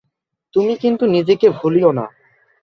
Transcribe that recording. তুমি কিন্তু নিজেকে ভুলিয়ো না।